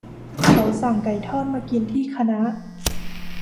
เขาสั่งไก่ทอดมากินที่คณะ